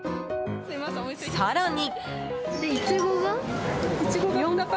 更に。